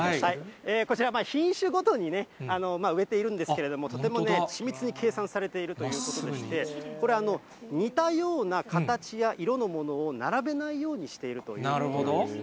こちら、品種ごとにね、植えているんですけれども、とても緻密に計算されているということでして、これ、似たような形や色のものを並べないようにしているということなんですね。